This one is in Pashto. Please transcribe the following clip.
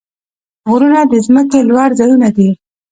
غرونه د ځمکې لوړ ځایونه دي.